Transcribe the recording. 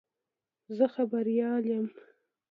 زه خبریال یم.